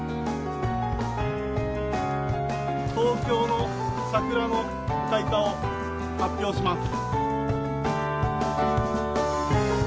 東京の桜の開花を発表します。